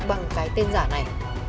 bằng cái tên giả này